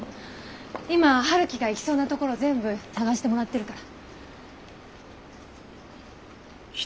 今陽樹が行きそうなところ全部捜してもらってるから。